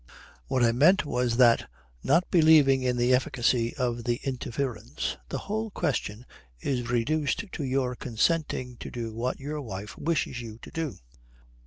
What I meant was that, not believing in the efficacy of the interference, the whole question is reduced to your consenting to do what your wife wishes you to do.